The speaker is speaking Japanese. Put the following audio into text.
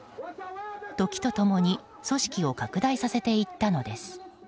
時と共に組織を拡大させていったのです。